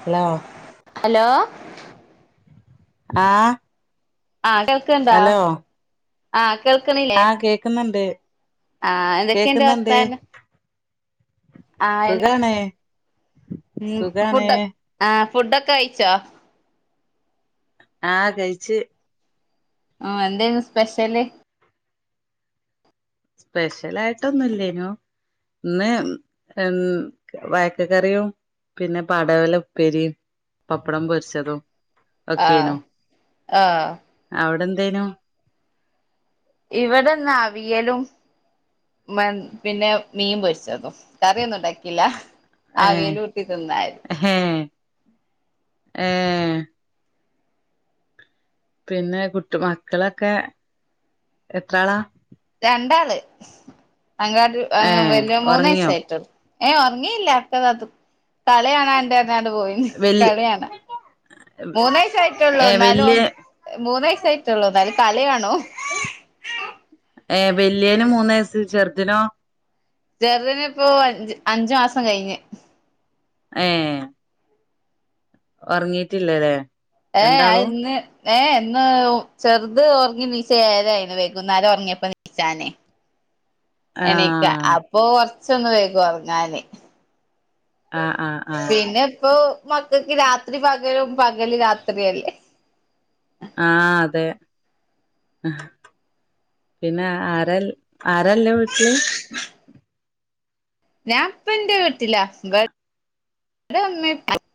Hello hello ആഹ് ആഹ് കേൾക്കണുണ്ടോ ഹലോ ആഹ് കേൾക്കുന്നില്ലേ ആഹ് കേക്കുന്നുണ്ട് ആഹ് എന്തൊക്കെയുണ്ട് കേക്കുന്നുണ്ട് വർത്താനം ആഹ് സുഖാണ് ഉം സുഖാണ് ഫുഡ് ആഹ് ഫുഡൊക്കെ കഴിച്ചോ ആഹ് കഴിച്ച് ആഹ് എന്തേന്ന് സ്പെഷ്യല് സ്പെഷ്യൽ ആയിട്ടൊന്നും ഇല്ലേനു ഇന്ന് ഉം വായയ്ക്ക കറിയും പിന്നെ പടവലം ഉപ്പേരിയും പപ്പടം പൊരിച്ചതും ആഹ് ഒക്കേനോ ആഹ് അവിടെ എന്തേനോ ഇവിടെന്ന അവിയലും മെൻ പിന്നെ മീൻ പൊരിച്ചതും. കറിയൊന്നുംണ്ടാക്കില്ല അവിയലൂട്ടി തിന്നാര്തി. ഹ് ഏഹ്. പിന്നെ കുട്ട് മക്കളൊക്കെ എത്രാളാ രണ്ടാള് അങ്കാടി ഏഹ് വലിയ മൂന്ന് ഒറങ്ങിയോ വയസായിട്ടുള്ളു. ഏഹ് ഒറങ്ങില്ല ഒക്കതാതു കളിയാണാണ്ട്ർഞ്ഞാണ്ട് പോയീണ് വല് കളിയാണാ. മൂന്നയസ് ആയിട്ടുള്ളൂ ഏഹ് എന്നാലും വല്യ ഓൻ മൂന്നയസായിട്ടുള്ളൂ എന്നാലും കളികാണും. ഏഹ വല്യനും മൂന്ന് വയസ് ചെർദിനോ ചെർദ്ന് ഇപ്പോ അഞ്ച് അഞ്ചു മാസം കഴിഞ്ഞ്. ഏഹ്. ഒർങ്ങീട്ടില്ലല്ലേ ഏ ആഹ് അത്ന്ന്. ഏ ഇന്ന് ചെറുത് ഒറങ്ങി നീച്ച ഏഴരായിണ് വൈകുന്നേരം ഒറങ്ങിയപ്പോ നീച്ചാനേ. [inaudible] എണീക്ക ആഹ് അപ്പൊ കൊർച്ചൊന്ന് വൈകും ഒറങ്ങാന് ആഹ് ആഹ് ആഹ് പിന്നെപ്പോ മക്കക്ക് രാത്രി പകലും പകല് രാത്രില്ലേ ആഹ് അതെ പിന്നെ ആഹ് ആരൽ ആരല്ല് വീട്ട്ല് [inaudible] ഞാപ്പന്റെ വീട്ടില വട് [unintelligible]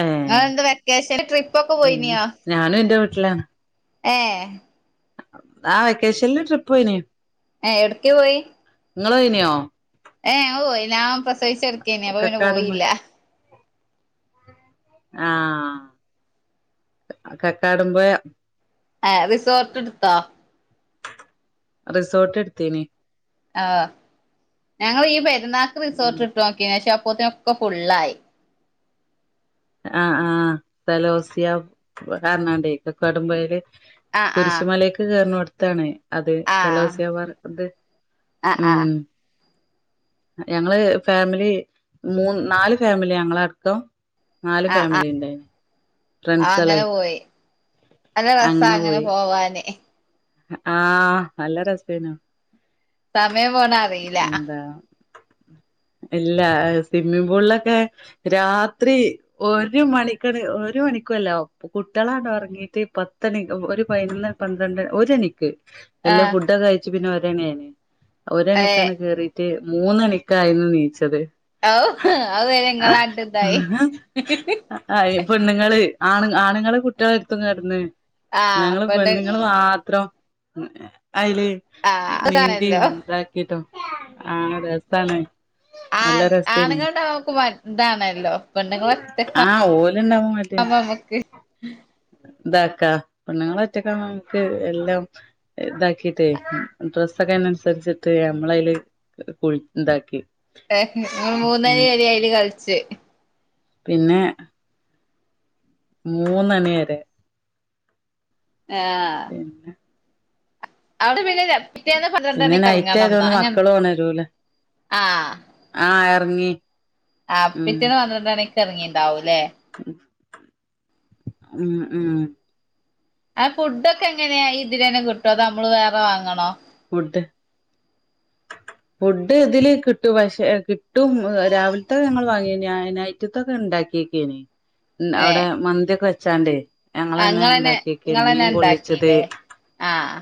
ഏഹ് ങ്ങളെന്ത വെക്കേഷന് ട്രിപ്പൊക്കെ പോയിനിയാ ഞാനുന്റെ വീട്ട്ലാണ് ഏഹ്. ആ വെക്കേഷൻല് ട്രിപ്പോയിനി ഏ എവ്ട്ക്കെ പോയി ഇങ്ങളോന്യോ ഏഹ് ഓയില ഞാൻ പ്രസവിച്ചെട്ക്കേനി അപ്പൊ പിന്നെ കക്കാടുമ്പോ പോയില്ല. ആഹ് കക്കാടംപൊയ ഏഹ് റിസോട്ട് ഇട്ത്തോ റിസോട്ട്ട്ത്തീനി ആഹ് ഞങ്ങള് ഈപെര്ന്നാക്ക് ഉം റിസോർട്ട്ട്ടോക്കീനി ക്ഷേ അപ്പോത്തിനൊക്കെ ഫുള്ളായി ആഹ് ആഹ് കലോസിയ കർഞ്ഞാണ്ട് കക്കാടം പൊയേല് ആഹ് ആഹ് കുരിശ്മലേക്ക് കേർനോട്ത്താണ് അതെ ആഹ് കലോസിയ പാർ ത് ആഹ് ഉം ആഹ് ഞങ്ങള് ഫാമിലി മൂന്ന് നാല് ഫാമിലി ഞങ്ങളഅട്ക്കം നാല് ആഹ് ആഹ് ഫാമിലി ഇണ്ടായിനി ആഹ് അങ്ങനെ പോയി നല്ല രസാ അങ്ങനെ പോവാന് ആഹ് നല്ല രസേനു സമയം പോണ അറിയില്ല എന്താ ഇല്ല ഹ് സിമ്മിംപൂൾലൊക്കെ രാത്രി ഒരു മണിക്കണ് ഒരു മണിക്കുഅല്ല കുട്ട്യളാണ്ട് ഒറങ്ങീട്ട് പത്തണി ഒ ഒരു പയ്നൊന്ന് പന്ത്രണ്ട് ഒരണിക്ക് എല്ലം ആഹ് ഫുഡൊക്കെ കൈച്ച് പിന്നെ ഒരണിയായ്ണ് ഏഹ് ഒരണിക്കാണ് കേറി റ്റ് മൂന്നണിക്കായിന്ന് നീച്ചത് ഔഹ് ഔവരെ ഇങ്ങളാണ്ട് തായി ആഹ് യെ പെണ്ണ്ങ്ങള് ആണ്ങ്ങ ആണുങ്ങള് കുട്യാളെട്ത്തും കടന്ന് ആഹ് ഞങ്ങള് പെണ്ണ് പെണ്ണുങ്ങൾ മാ ത്രം അയില് ആഹ് അതാണല്ലോ നീന്തിം താ കിട്ടോ ആഹ് രസാണ് നല്ല ആൺ രസേനി ആണുങ്ങൾണ്ടാമ്പോ മക് താണല്ലോ പെണ്ണുങ്ങളൊറ്റക്കാ ആഹ് ഓൽണ്ടാവുമ്പോ മടി അപ്പമ്മക്ക് താക്കാ പെണ്ണുങ്ങളറ്റക്കാവുമ്പംക്ക് എല്ലാം താക്കീറ്റയ് ഡ്രസ്സൊക്കെയ്നൻസരിച്ചിട്ട് നമ്മളയ്ല് കു താക്കി ഏഹ് മൂന്നയില് ലയ്‌ല് ലയ്‌ല് കൾച്ച് പിന്നെ മൂന്നണി വരെ ആഹ് ഇന്നെ അവ്ടെ പിന്നേല്ലേ പിറ്റേന്ന് പന്ത്രണ്ട പിന്നെ നൈറ്റ് ണിക്കറങ്ങണംന്ന ആയതോണ്ട് അങ്ങനെ മക്കളും ഒണരൂല ആഹ് ആഹ് എർങ്ങി ആപ്പിറ്റേന്ന് പന്ത്രണ്ടണിക്കെ റങ്ങീണ്ടാവുലേ ഉം ഉം ആഹ് ഫുഡൊക്കെ എങ്ങനെയാ ഇതി ലന്നെ കിട്ടോ അതോ അമ്മള് വേറെ വാങ്ങണോ വുഡ്ഡ് ഫുഡ്ഡ് ഇതില് ക് ട്ടും പക്ഷെ കിട്ടും രാവിൽത്തെത് ഞങ്ങൾ വാങ്ങ്യേന്യ എന്നാ റ്റുത്തൊക്കെണ്ടാക്കീക്യന് ൻഅവിടെ ഏഹ് മന്തിയൊക്കെ വെച്ചാണ്ടേ ആഹ് ഞങ്ങെളെന്നെ ഇങ്ങളന്നെ ഉണ്ടാക്കിയക്കന് മീൻ ഇങ്ങളന്നെ പൊള്ളിച്ചത് ഇണ്ടാക്കീല്ലേ ആഹ്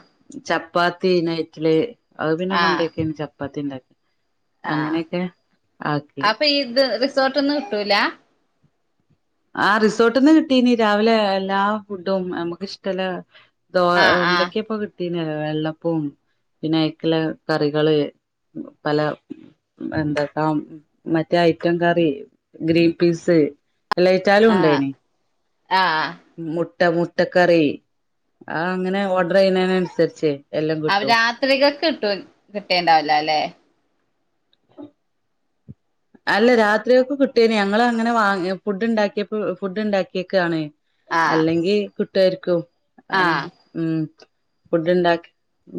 ചപ്പാത്തി നൈറ്റല് അത് പിന്നെ ആഹ് പണ്ടേക്കാണ് ചപ്പാത്തി ഉണ്ടാക്ക ആഹ് അപ്പൊ ഇ ഇത് റിസോർട്ട്ന്ന് കിട്ടൂല ആ റിസോർട്ടിൽന്ന് കിട്ടീനി രാവിലെ എല്ലാ ഫുഡും നമുക്ഷ്ടല്ല ദോ ആഹ് ആഹ് എന്തൊക്കെയാപ്പൊ കിട്ടീന വെള്ളപ്പവും പിന്നെ അക്കല കറികള് പല എന്തക്ക മറ്റേ ഐക്കൻ കറി ഗ്രീൻ പീസ് എല്ലയ്റ്റാലും ആഹ് ഉണ്ടായിന് ആഹ് മുട്ട മുട്ടക്കറി ആ അങ്ങനെ ഓർഡർ ചെയ്യുന്നന് അനുസരിച്ച് അവ രാത്രികൾക്ക് കിട്ടി കിട്ടേണ്ടാവല്ല അല്ലെ അല്ല രാത്രിയൊക്കെ കിട്ടിയേന ഞങ്ങള് അങ്ങനൊ വാ ഫുഡ് ഉണ്ടാക്കിയപ്പോ ഫുഡ് ഉണ്ടാക്കിയക്കാണ് ആഹ് അല്ലെങ്കി കിട്ടാരിക്കും ആഹ് ഉ ഫുഡ് ഉണ്ടാക്കി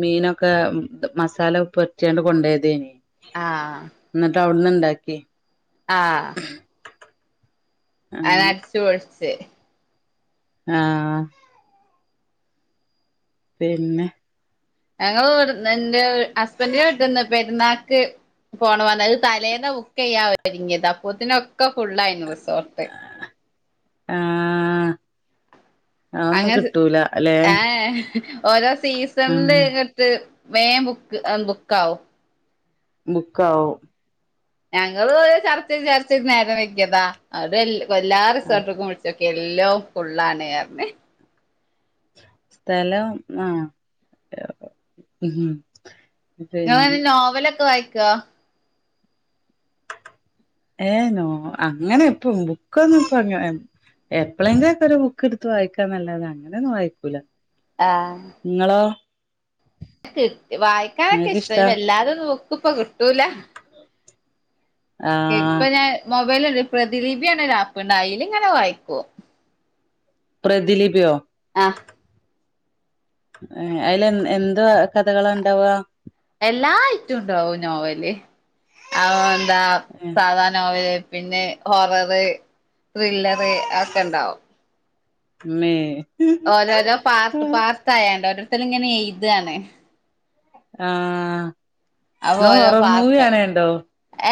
മീനൊക്കെ മസാല പൊരട്ടിയാണ്ട് കൊണ്ട പോയതേനി ആഹ് എന്നിട്ട് അവിടന്ന് ഇണ്ടാക്കി ആഹ് [inaudible] അത് അങ്ങനെ അടിച്ചുപൊളിച്ച് ആഹ് പിന്നെ ഞങ്ങളുഡ് എന്റെ വീ ഹസ്ബൻഡ വീട്ടിന്ന് പെരുന്നാക്ക് പോണ വന്ന അത് തലേന്ന ബുക്ക് ചെയ്യാഒരുങ്ങിയത അപ്പത്തിനൊക്കെ ഫുുള്ള ആയിരുന്നു റിസോർട്ട് ആഹ് ആ ഒന്നും അങ്ങനെ കിട്ടൂല അല്ലെ ഏ ഓരോ സീസണില് ആഹ് ഇങ്ങട്ട് മേം ബുക്ക് ബുക്കാവും ബുക്കാവും ഞങ്ങള് ചർച്ച ചെയ്ത് ചർച്ചചെയ്ത് നേരം വൈകിയതാ അവിടെ എല്ലാ ആഹ് റിസോർട്ടുക്കും വിളിച്ച് എല്ലോ ഫുള്ളണേ പർഞ്ഞ് സ്ഥലം ആഹ് മം നിങ്ങള് നോവലൊക്കെ വായിക്കോ? ഏ നോ അങ്ങനെ ഇപ്പ ബുക്കൊന്ന ഇപ്പ അങ്ങ എപ്പളെങ്കിലും ഒക്കെ ഒരു ബുക്ക് എടുത്ത് വായിക്കാ എന്നല്ലാതെ അങ്ങനെയൊന്നും വായിക്കൂല്ല ആഹ് നിങ്ങളോ? കിട്ട് വായിക്കാനൊക്കെ നിങ്ങക്ക് ഇഷ്ട ഇഷ്ടാ വല്ലാരും നോക്കുംപ്പ കിട്ടൂല ആഹ് ഇപ്പൊഞാൻ മൊബൈല്ണ്ട് പ്രതിലിപിന്ന ആപ്പ്ഇണ്ട് അതിലിങ്ങനെ വായിക്കും. പ്രദിലിപിയോ? ആഹ് ഏഹ് അയ്ൽ എന്ന് എന്താ കഥകള് ഇണ്ടാവാ? എല്ലായ്റ്റോണ്ടാവും നോവല് അവോ എന്താ ഏഹ് സാധാനോവല് പിന്നെ ഹോററ്, ത്രില്ലറ് അതൊക്കെണ്ടാവും. ഇമ്മേ ഓരോരോ പാർട്ട്പാർട്ടായണ്ട് ഓരോരുത്തർ ഇങ്ങനെഎയ്താണ്. ആഹ് നിങ്ങള് അപ്പോഓരോ ഹൊറർ മൂവി പാർട്ട് കാണേണ്ടോ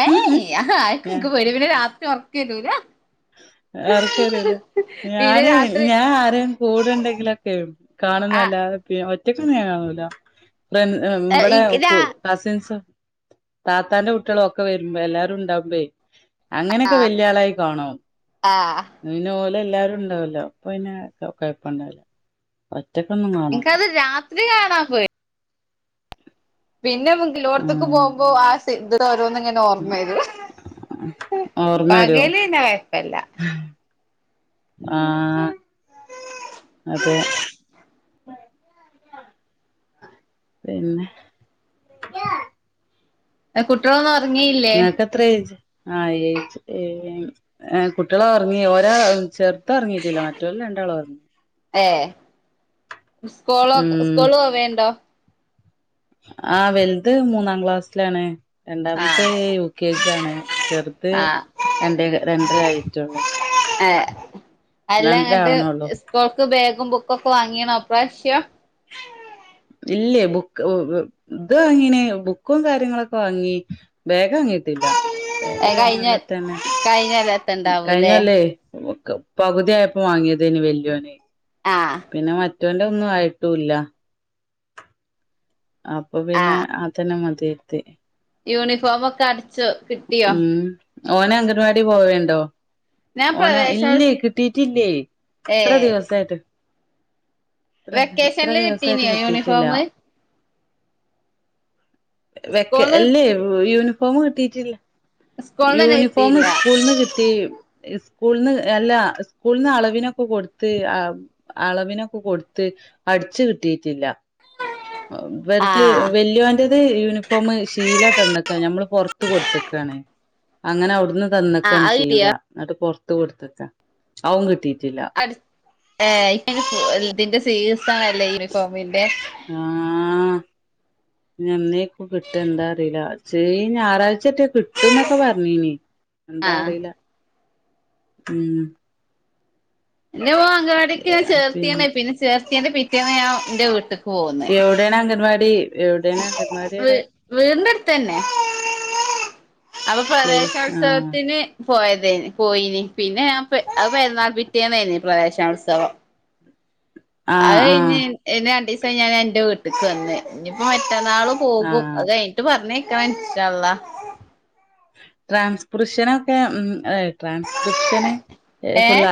ഏയ് അഹൊക്കെ പേടിയാ പിന്നെരാത്രിഒർ ക്കെരൂല ഒർക്കെരൂല? പിന്നെ ഞാന് രാത്രി ഞാൻ ആരെ കൂടെണ്ടെങ്കിലൊക്കെ ആഹ് കാണുംന്നല്ലതെ പി ഒറ്റക്കൊന്നും ഞാനെറങ്ങൂല തെൻ ഹ് ബടെ ഇൻക്ക് രാ കൂ കസിൻസോ താത്താന്റെ കുട്ടിയാളുഒക്കെ വെരുമ്പോ എല്ലാരും ഇണ്ടാവുബെയ്. അങ്ങനൊയൊക്കെ ആഹ് വെല്ല്യാളായി കാണും. ആഹ് ഇപിന്നെ ഓല് എല്ലാരും ഇണ്ടാവല്ലോ അപ്പൊപിന്നെ കൊയപ്പണ്ടാവൂല. ഒറ്റക്കൊന്നും ഇൻക്കത് രാത്രികാണാപേ പിന്നെ മ്മക്ക് എല്ലോട്ത്ക്ക് പോകുമ്പോ ആ സിദ് ഓരോന്ന്ങ്ങനെ ന്ന് ഓർമെരു പകല്ന്നെ കൊയപ്പല്ല. ആഹ് അതെ പിന്നെ എഹ് കുട്ടിയാളൊന്നും ഒർങ്ങില്ലേ? ത്രേജ് ആഹ് ഏജ് ഏ ഏഹ് കുട്ടിയാൾ ഒർങ്ങി ഒരാൾ ചെർത് ഒർങ്ങിട്ടില്ല മറ്റോല് രണ്ടാളും ഒർങ്ങി. ഏഹ് സ്കൂളൊ ഉം സ്കൂള് പോവേണ്ടോ? ആഹ് വെൽത് മൂന്നാംക്ലാസ്സിലാണ്. ആ രണ്ടാംത്തെ യു കെ ജി ആണ് ചെർത് രണ്ടേ രണ്ട്രാ ആയിട്ടൊള്ളു ഏ രണ്ട്രാ ആവ്ണൊള്ളു. ഇപ്പോൾക്ക് ബേഗും ബുക്കൊക്കെ വാങ്ങിണോ ഇപ്രവിശ്യം. ഇല്ലേയ് ബുക്ക് ഇത് വാങ്ങീനെ ബുക്കും കാര്യങ്ങളൊക്കെവാങ്ങി ബേഗ് വാങ്ങീട്ടില്ല ബാഗ് കയ്ഞൊല്ലെത്തെന്നെ കയ്ഞ്ഞല്ല ഉം കഴിഞ്ഞല്ലേ ബുക്ക്‌ പകുതിയായപ്പോ വാങ്ങിയതെയ്നി വല്ലിയോന് ആഹ് പിന്നെമറ്റോന്റെ ഒന്നും ആയിട്ടുല്ല അപ്പൊപിന്നെ അ അതെന്നെ മതിയെര്തി. യൂണിഫോമൊക്കെ അടിച്ചു കിട്ടിയോ ഉം ഓന് അംഗൻവാടി പോവേണ്ടോ? ഞാൻ ഓന് പ്രവേശനോത്സ ഇല്ലേയ് കിട്ടീറ്റ്ല്ലേ ഏ ഇത്രദിവസായിട്ട് വെക്കേഷനില് ദിവസായിട്ട് കിട്ടിയിട്ടില്ല കിട്ടീനോയൂണിഫോമ്? വെക്കെ സ്കൂളിന്ന് ഇല്ലേ യൂണിഫോമ് കിട്ടീട്ടില്ല. സ്കൂൾന്ന് തന്നെ യൂണിഫോമ് കിട്ടിയില്ല ഇസ്കൂൾന്ന് കിട്ടി. സ്കൂൾന്ന് എല്ലാ സ്കൂൾന്ന് അളവിനൊക്കെ കൊട്ത്ത് ആ അളവിനൊക്കെ കൊട്ത്ത് അടിച്ച് കിട്ടീട്ടില്ല. ഇവെര്ത് ആഹ് വെല്ലിയോന്റത് യൂണിഫോമ്മ് ശീലതന്ന്ക്കാ ഞമ്മള് പൊർ ത്ത് കൊട്ത്ത്ക്കാണ്. അങ്ങനെ അവുട്ന്ന് ആഹ് തന്നക്കാണ് അത് ശീല കിട്ടിയോ ഇന്നട്ട് പൊറത്ത് കൊടുത്തക്കാ അവും കിട്ടിയിട്ടില്ല ഏ ഇപ്പയ്ന് ഇതിന്റെ സീസണല്ലേ യൂണിഫോമിന്റെ ആഹ് ഇഞ്ഞ് അന്നേക്കും കിട്ട എന്താ അറീല്ല ച്ചേ ഈ ഞായറാഴ്ചച്ചേ കിട്ട് കിട്ടുന്നൊക്കെ പറഞ്ഞീനി എന്താ ആഹ് അറീല്ല ഉം എന്റെ മോൻ അംഗവാടിക്ക് ഞാൻ ചേർത്തീണ് പിന്നെ ചേർത്തിയ്ന്റെ പിറ്റോന്ന് ഞാൻ ഇന്റെ വീട്ട്ക്ക് പോന്ന് വിടേണ് അംഗൻവാടി എവുടെയാണ് അങ്കൻവാ വ് വീന്റെട്ത്തന്നെ അപ്പം പ്ലേസ് ആഹ് പ്രവേശനോത്സവത്തിന് പോയതേയിനി പോയിനി പിന്നെ ഞാ അത് പെരുന്നാൾ പിറ്റേന്നെയ്നി പ്രവേശനോത്സവം ആഹ് അത്കയിഞ്ഞ് ആഹ് പിന്നെ രണ്ടീസം കഴിഞ്ഞാരെ ഞാൻ ഇന്റെ വീട്ട്ക്ക് വന്നെ ഇനിയിപ്പം മറ്റന്നാള് പോകും ആഹ് അത് കഴിഞ്ഞിട്ട് പറഞ്ഞയക്കണം ഇൻഷാ അള്ളാ ഏഹ് ! ! ! ! ! ! ! ! ! ! ! ! ! ! ! ! ! ! ! !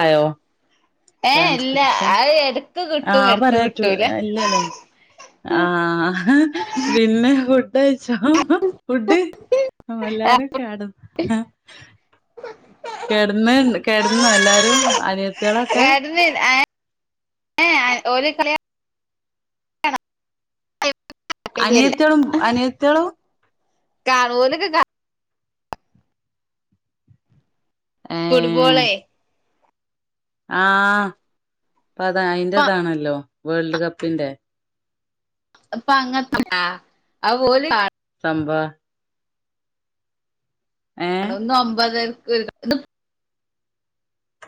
അയ് എടക്ക് കിട് ആഹ് അഅ് പറയാറ്റുല്ലല്ലേ ആഹ് പിന്നെ കുട് ഫുഡ് കഴിച്ചോ ഫുഡ് എല്ലാരും കെടന്ന് കെടന്ന് കെടുന്നൊ എല്ലാരും അനിയത്തേളൊക്കെ കെടന്ന് ഏ ഏ ഓല് കളി താല്പര്യല്ല അനിയത്തെളും അനിയത്തിളും കാണും ഓലൊക്കെ കാ ഏഹ് ഫുട്ബോളേ ആഹ് ഇപ്പതാ അയിന്റെതാണല്ലോ വേൾഡ് കപ്പിന്റെ ഇപ്പ അങ്ങൻത്തെതാ അപ്പം ഓല് കാണും. സംഭാ ഏഹ് ഒന്ന് ഒമ്പപതരക്ക്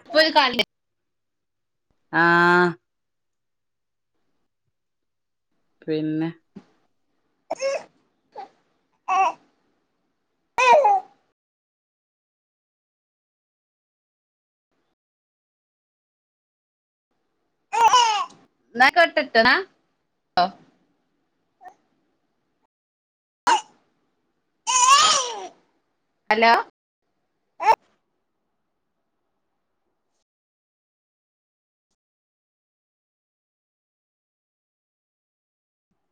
ഇപ്പൊര് കളിയാ ആഹ് പിന്നെ [inaudible] ന്നാ ആയികോട്ടെട്ടോ ന്നാ അലോ